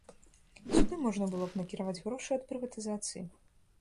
Сюды можна было б накіраваць грошы ад прыватызацыі.